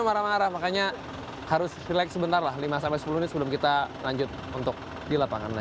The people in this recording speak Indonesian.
marah marah makanya harus rileks sebentar lah lima sepuluh ini sebelum kita lanjut untuk di lapangan lagi